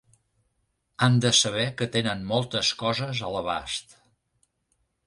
Han de saber que tenen moltes coses a l’abast.